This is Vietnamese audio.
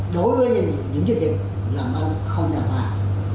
đối với những doanh nghiệp làm ăn không đàng hoàng